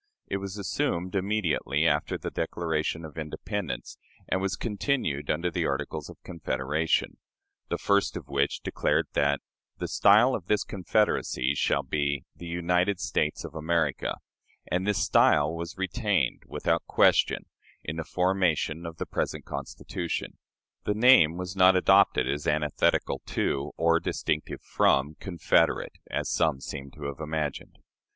It was assumed immediately after the Declaration of Independence, and was continued under the Articles of Confederation; the first of which declared that "the style of this confederacy shall be 'The United States of America'"; and this style was retained without question in the formation of the present Constitution. The name was not adopted as antithetical to, or distinctive from, "confederate," as some seem to have imagined.